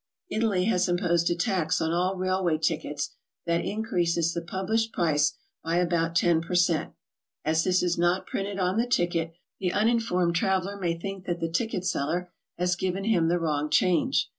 Italy has imposed a tax on all railway tickets that in creases the published price by about 10 per cent. As this is not printed on the ticket, the uninformed traveler may think that the ticket seller has given him the wrong change.